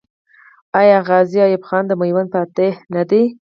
آیا غازي ایوب خان د میوند فاتح نه دی؟